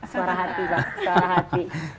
suara hati pak